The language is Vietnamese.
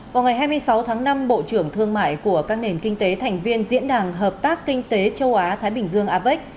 vào ngày hai mươi sáu tháng năm bộ trưởng thương mại của các nền kinh tế thành viên diễn đàn hợp tác kinh tế châu á thái bình dương apec